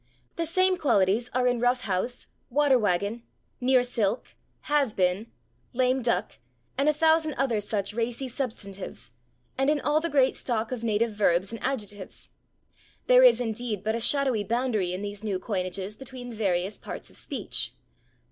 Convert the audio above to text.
The same qualities are in /rough house/, /water wagon/, /near silk/, /has been/, /lame duck/ and a thousand other such racy substantives, and in all the great stock of native verbs and adjectives. There is, indeed, but a shadowy boundary in these new coinages between the various parts of speech.